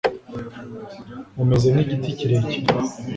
umeze nk'igiti kirekire